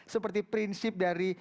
seperti prinsip dari